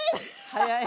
早い。